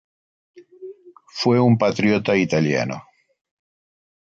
Fue un patriota italiano.